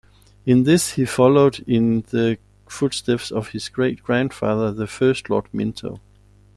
In this, he followed in the footsteps of his great-grandfather, the first Lord Minto.